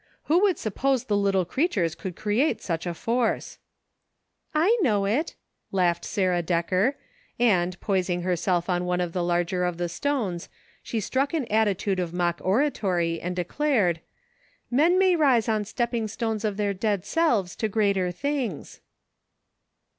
" Who would suppose the little creatures could create such a force !"" I know it," laughed Sara Decker, and, poising herself on one of the larger of the stones, she struck an attitude of mock oratory and declared, " Men may rise on stepping stones of their dead selves to greater things."